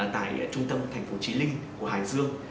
tại trung tâm thành phố trí linh của hải dương